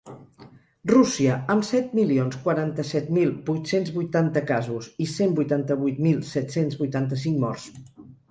Rússia, amb set milions quaranta-set mil vuit-cents vuitanta casos i cent vuitanta-vuit mil set-cents vuitanta-cinc morts.